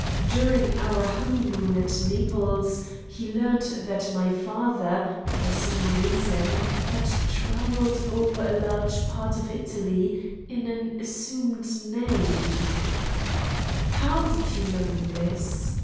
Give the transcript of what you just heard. During our honeymoon at Naples he learnt that my father, for some reason, had travelled over a large part of Italy in an assumed name " "How did he learn this?"